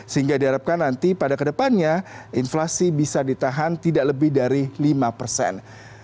sehingga diharapkan nanti pada kedepannya inflasi bisa ditahan tidak lebih dari lima persen